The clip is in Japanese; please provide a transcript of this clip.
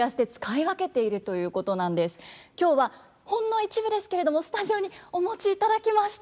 今日はほんの一部ですけれどもスタジオにお持ちいただきました。